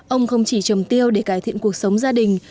ông không chỉ trồng tiêu để cải thiện cuộc sống gia đình